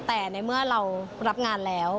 แต่ในเมื่อเรารับงานแล้ว